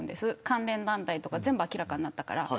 関連団体とか全部明らかになったから。